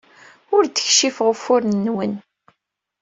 Ur d-keccfeɣ ufuren-nwen.